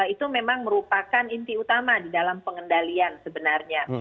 itu memang merupakan inti utama di dalam pengendalian sebenarnya